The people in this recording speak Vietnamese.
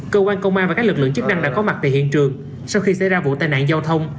cơ quan công an và các lực lượng chức năng đã có mặt tại hiện trường sau khi xảy ra vụ tai nạn giao thông